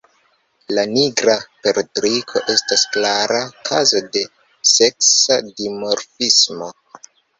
La Nigra perdriko estas klara kazo de seksa dimorfismo.